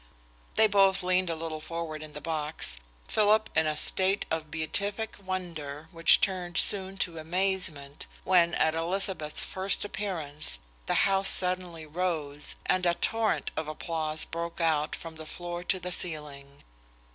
They both leaned a little forward in the box, Philip in a state of beatific wonder, which turned soon to amazement when, at Elizabeth's first appearance, the house suddenly rose, and a torrent of applause broke out from the floor to the ceiling.